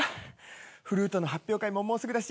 フルートの発表会ももうすぐだし